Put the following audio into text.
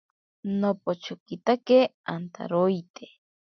Nopochokitake antaroite.